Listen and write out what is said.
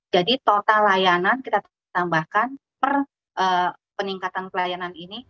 jadi total layanan kita tambahkan per peningkatan pelayanan ini